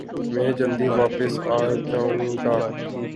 میں جلدی داپس آجاؤنگا ۔